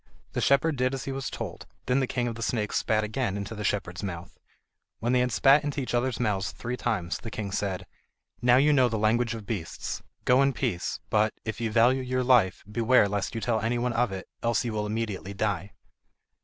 The shepherd did as he was told, then the King of the Snakes spat again into the shepherd's mouth. When they had spat into each other's mouths three times, the king said: "Now you know the language of beasts, go in peace; but, if you value your life, beware lest you tell any one of it, else you will immediately die."